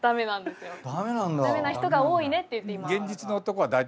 ダメな人が多いねっていって。